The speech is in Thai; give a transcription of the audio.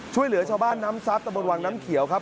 ช่วยเหลือชาวบ้านน้ำซับตะบนวังน้ำเขียวครับ